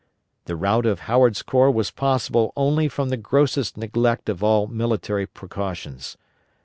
The rout of Howard's corps was possible only from the grossest neglect of all military precautions.